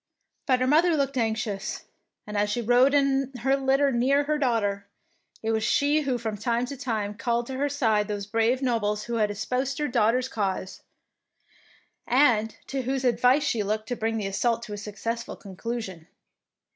'^ But her mother looked anxious, and as she rode in her litter near her daughter, it was she who from time to time called to her side those brave nobles who had espoused her daughter's cause, and to whose advice she looked to bring the assault to a successful conclusion.